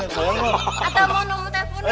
atau mau nunggu teleponnya